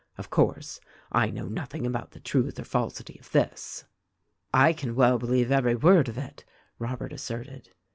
Of course, I know nothing about the truth or falsity of this." "I can well believe every word of it," Robert asserted.